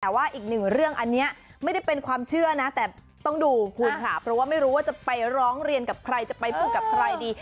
แต่ว่าอีกหนึ่งเรื่องอันนี้ไม่ได้เป็นความเชื่อนะแต่ต้องดูคุณค่ะเพราะว่าไม่รู้ว่าจะไปร้องเรียนกับใครจะไปพูดกับใครดี